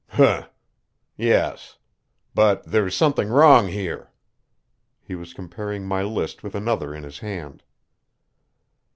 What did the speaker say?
"Humph! yes. But there's something wrong here." He was comparing my list with another in his hand.